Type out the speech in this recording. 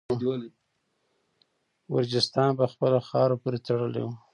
ګرجستان په خپله خاوره پوري تړلی وو.